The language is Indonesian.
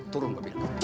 turun gue bilang